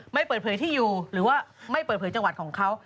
ไม่เปิดเผยที่อยู่หรือว่าไม่เปิดเผยจังหวัดของเขา